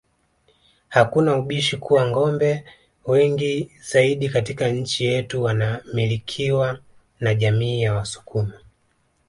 Hakuna ubishi kuwa ngombe wengi zaidi katika nchi yetu wanamilikiwa na jamii ya wasukuma